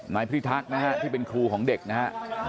นายพี่ทักนะฮะที่เป็นครูของเด็กนะฮะ